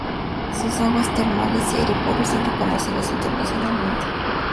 Sus aguas termales y aire puro son reconocidos internacionalmente.